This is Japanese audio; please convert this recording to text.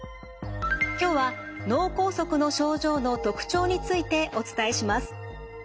今日は脳梗塞の症状の特徴についてお伝えします。